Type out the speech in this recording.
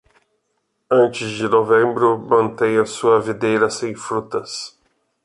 Antes de novembro, mantenha sua videira sem frutas.